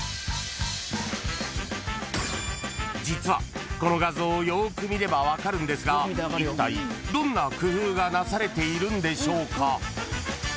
［実はこの画像をよく見れば分かるんですがいったいどんな工夫がなされているんでしょうか？］